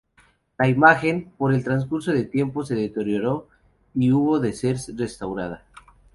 La imagen, por el transcurso del tiempo, se deterioró y hubo de ser restaurada.